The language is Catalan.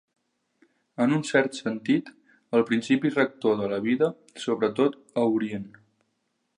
En un cert sentit, el principi rector de la vida, sobretot a Orient.